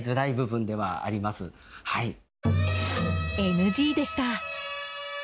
ＮＧでした。